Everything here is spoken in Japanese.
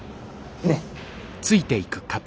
ねっ。